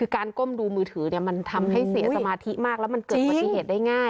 การก้มดูมือถือเนี้ยมันทำให้เสียสมาธิมากแล้วมันเกิดปฏิเสธได้ง่าย